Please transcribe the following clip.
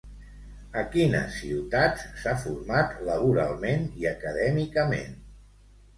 A quines ciutats s'ha format laboralment i acadèmicament?